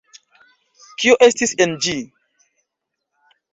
Kio estis en ĝi?